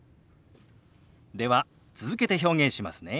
では続けて表現しますね。